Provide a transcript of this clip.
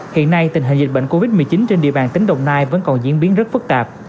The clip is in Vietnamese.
hiện nay tình hình dịch bệnh covid một mươi chín trên địa bàn tỉnh đồng nai vẫn còn diễn biến rất phức tạp